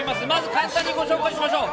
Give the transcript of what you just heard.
簡単にご紹介しましょう。